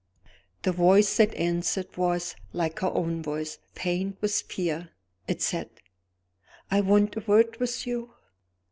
The voice that answered was, like her own voice, faint with fear. It said: "I want a word with you."